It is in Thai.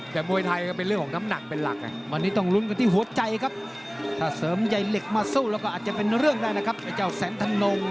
แต่มวยไทยก็เป็นเรื่องของท้ำหนักเป็นหลัก